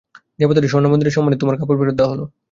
দেবতাদের স্বর্ণ মন্দিরের সম্মানে তোমার কাপড় ফেরত দেওয়া হলো।